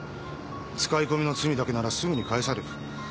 使い込みの罪だけならすぐに帰される。